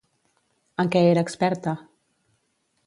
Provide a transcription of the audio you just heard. En què era experta?